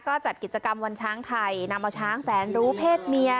ก็จัดกิจกรรมวันช้างไทยนำเอาช้างแสนรู้เพศเมีย